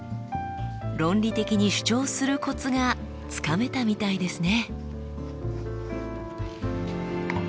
論理的に主張するコツがつかめたみたいですね。